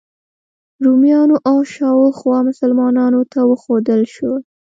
رومیانو او شاوخوا مسلمانانو ته وښودل شول.